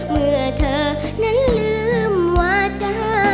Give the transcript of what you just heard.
เมื่อเธอนั้นลืมว่าเจอ